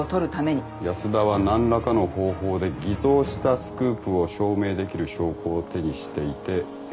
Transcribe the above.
安田は何らかの方法で偽造したスクープを証明できる証拠を手にしていてゆすりにかけていた。